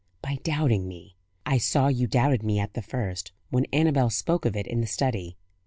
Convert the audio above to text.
"By doubting me. I saw you doubted me at the first, when Annabel spoke of it in the study.